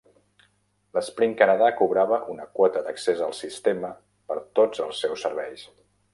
L'Sprint Canada cobrava una quota d'accés al sistema per tots els seus serveis.